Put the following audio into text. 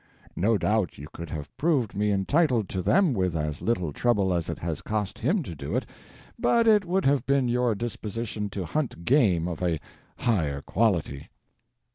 No doubt you could have proved me entitled to them with as little trouble as it has cost him to do it, but it would have been your disposition to hunt game of a higher quality.